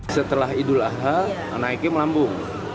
setelah idul adha naiknya melambung